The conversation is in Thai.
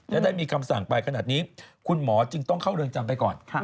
และได้มีคำสั่งไปขนาดนี้คุณหมอจึงต้องเข้าเรือนจำไปก่อน